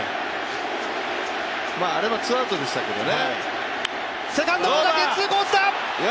あれもツーアウトでしたけどね。